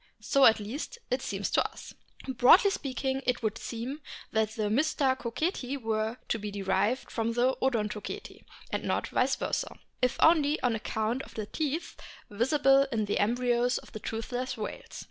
So, at least, it seems to us. 174 A BOOK OF WHALES Broadly speaking it would seem likely that the Mystacoceti were to be derived from the Odontoceti, and not vice versa, if only on account of the teeth visible in the embryos of the toothless whales.